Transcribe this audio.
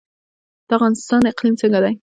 د افغانستان اقلیم څنګه دی؟